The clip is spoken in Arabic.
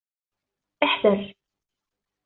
احذر.